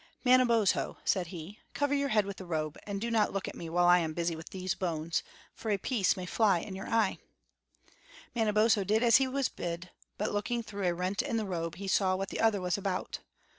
"Manabozho," said he, "cover your head with the robe, and do not look at me while I am busy with these bones, for a piece may fly in your eye." Manabozho did as he was bid; but looking through a rent in the robe, he saw what the other was about.